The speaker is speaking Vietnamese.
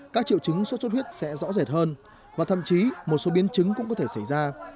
các triệu chứng sốt xuất huyết sẽ rõ rệt hơn và thậm chí một số biến chứng cũng có thể xảy ra